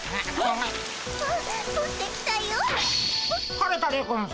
晴れたでゴンス。